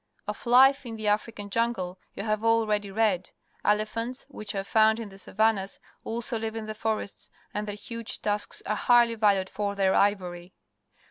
Of life in the African jungle j'ou have already read. Elephants, which are found in the savannas, also live in the forests, and their huge tusks are highly valued for their ivory.